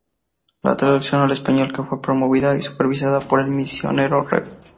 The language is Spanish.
La traducción al español, que fue promovida y supervisada por el misionero Rev.